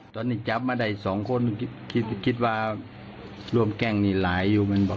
ตอนนี้จับมาได้๒คนขี้คิดว่าร่วมแกล้งนี้หลายอยู่ไหมนะครับ